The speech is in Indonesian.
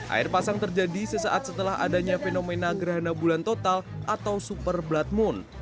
air pasang terjadi sesaat setelah adanya fenomena gerhana bulan total atau super blood moon